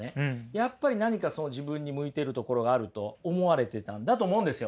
やっぱり何か自分に向いてるところがあると思われてたんだと思うんですよね。